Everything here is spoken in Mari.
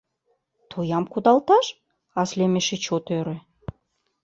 “Тоям кудалташ?” — Аслим эше чот ӧрӧ.